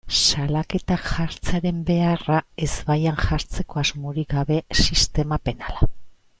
Salaketak jartzearen beharra ezbaian jartzeko asmorik gabe, sistema penala.